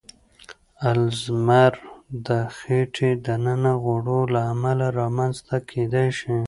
الزایمر د خېټې دننه غوړو له امله رامنځ ته کېدای شي.